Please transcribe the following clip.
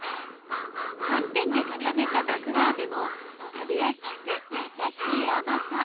寒天で固めた麦芽あめも食べやすくて優しい甘さ。